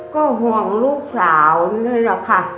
ก็ห่วงลูกสาวนี่แหละค่ะ